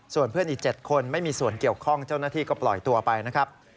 ส่วนเพื่อนอีก๗คนไม่มีส่วนเกี่ยวข้องเจ้าหน้าที่ก็ปล่อยตัวไปนะครับ